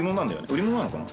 売り物なのかな？